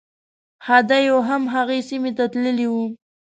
خدیو هم هغې سیمې ته تللی و.